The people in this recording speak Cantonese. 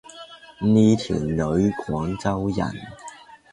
呢條女廣州人